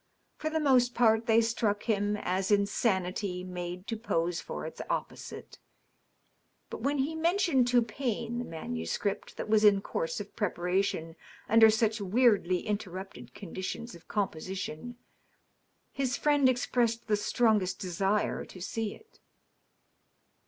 For the most part they struck him as insanity made to pose for its opposite. But when he mentioned to Payne the manuscript that was in course of preparation under such weirdly interrupted conditions of composition, his friend expressed the strongest desire to see it.